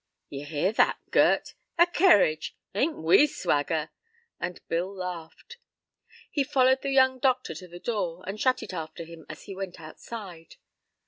"Yer hear that, Gert? A kerridge. Ain't we swagger?" and Bill laughed. He followed the young doctor to the door, and shut it after him as he went outside.